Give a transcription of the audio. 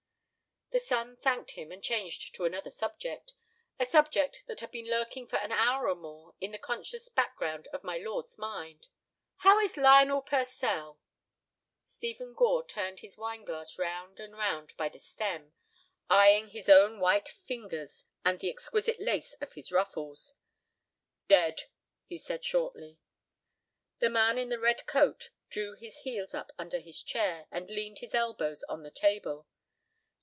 The son thanked him, and changed to another subject—a subject that had been lurking for an hour or more in the conscious background of my lord's mind. "How is Lionel Purcell?" Stephen Gore turned his wineglass round and round by the stem, eying his own white fingers and the exquisite lace of his ruffles. "Dead," he said, shortly. The man in the red coat drew his heels up under his chair and leaned his elbows on the table.